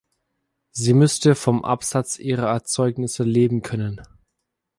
Sie müsste vom Absatz ihrer Erzeugnisse leben können.